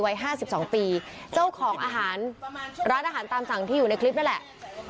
๕๒ปีเจ้าของอาหารร้านอาหารตามสั่งที่อยู่ในคลิปนั่นแหละ